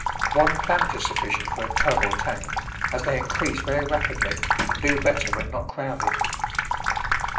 One plant is sufficient for a tub or tank, as they increase very rapidly and do better when not crowded.